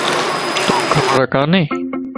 توکَ خبر کاني؟